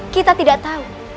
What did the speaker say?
kita tidak tahu